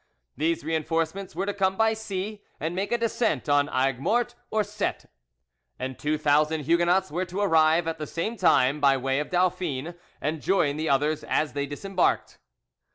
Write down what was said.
These reinforcements were to come by sea and make a descent on Aigues Mortes or Cette,—and two thousand Huguenots were to arrive at the same time by way of Dauphine and join the others as they disembarked.